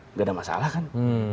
tidak ada masalah kan